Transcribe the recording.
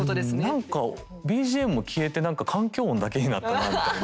「何かＢＧＭも消えて何か環境音だけになったな」みたいな。